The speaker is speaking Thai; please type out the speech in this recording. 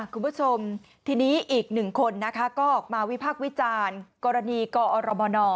คุณผู้ชมทีนี้อีกหนึ่งคนนะคะก็ออกมาวิพากษ์วิจารณ์กรณีกอรมน